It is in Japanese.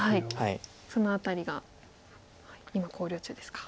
その辺りが今考慮中ですか。